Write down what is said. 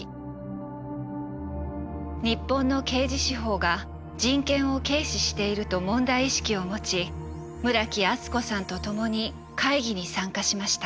日本の刑事司法が人権を軽視していると問題意識を持ち村木厚子さんとともに会議に参加しました。